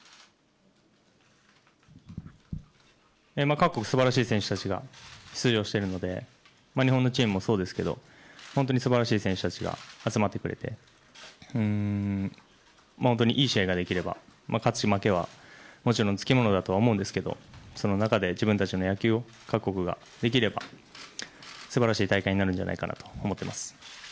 各国素晴らしい選手たちが出場しているので日本のチームもそうですけど本当に素晴らしい選手たちが集まってくれて本当にいい試合ができれば勝ち負けはつきものだとは思うんですけどその中で自分たちの野球を各国ができれば素晴らしい大会になるんじゃないかなと思っています。